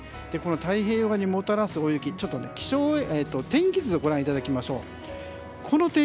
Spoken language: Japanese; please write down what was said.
この太平洋側にもたらす大雪ですが天気図でご覧いただきましょう。